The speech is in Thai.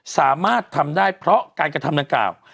สามารถทำได้เพราะการกระทำดังกล่าว